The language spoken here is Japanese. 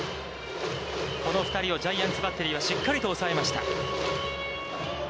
この２人をジャイアンツバッテリーは、しっかりと抑えました。